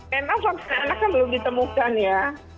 memang vaksin anak belum ditemukan ya